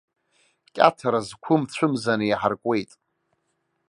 Кьаҭара зқәым цәымзаны иаҳаркуеит.